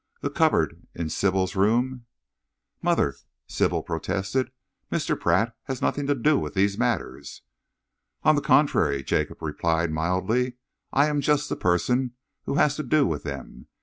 The cupboard in Sybil's room " "Mother," Sybil protested, "Mr. Pratt has nothing to do with these matters." "On the contrary," Jacob replied mildly, "I am just the person who has to do with them.